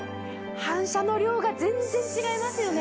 反射の量が全然違いますよね？